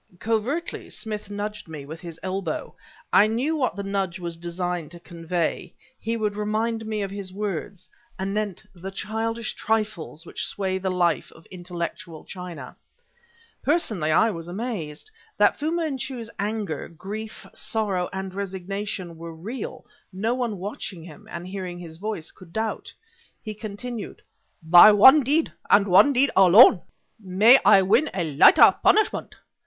Covertly Smith nudged me with his elbow. I knew what the nudge was designed to convey; he would remind me of his words anent the childish trifles which sway the life of intellectual China. Personally, I was amazed. That Fu Manchu's anger, grief, sorrow and resignation were real, no one watching him, and hearing his voice, could doubt. He continued: "By one deed, and one deed alone, may I win a lighter punishment.